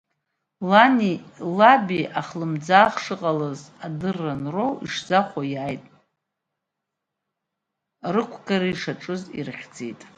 Лаби лани ахлымӡаах шыҟалаз адырра анроу ишзахәоз иааит, рықәгара ишаҿыз ирыхьӡеит.